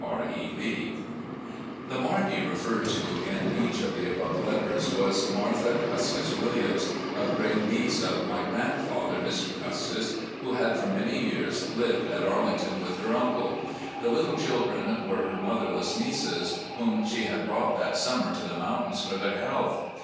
"R. E. Lee." The "Marlde" referred to in each of the above letters was Martha Custis Williams, a great niece of my grand 368 RECOLLECTIONS OP GENERAL LEE father, Mr. Ctistis, who had for many years lived at Arling ton with her uncle. The "little children" were her motherless nieces, whom she had brought that summer to the mountains for their health.